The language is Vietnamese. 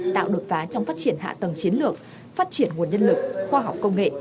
tạo đột phá trong phát triển hạ tầng chiến lược phát triển nguồn nhân lực khoa học công nghệ